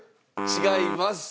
違います。